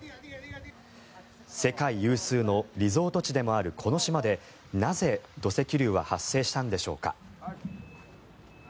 世界有数のリゾート地でもあるこの島でなぜ、土石流は発生したのでしょうか。